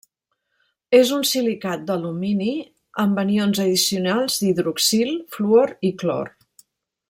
És un silicat d'alumini amb anions addicionals d'hidroxil, fluor i clor.